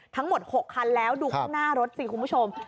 ทั้งหมด๖คันแล้วดูข้างหน้ารถสิคุณผู้ชม